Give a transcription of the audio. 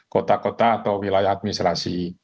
kota kota atau wilayah administrasi